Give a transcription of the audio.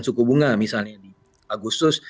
suku bunga misalnya di agustus